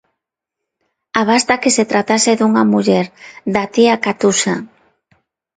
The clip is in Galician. Abasta que se tratase dunha muller, d'A Tía Catuxa.